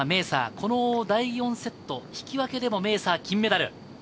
この第４セット、引き分けでもメーサー、金メダル。